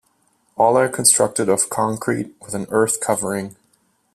All are constructed of concrete with an earth covering.